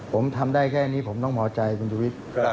ผมทำได้แค่นี้ผมต้องเหมาะใจคุณจุฤษฐ์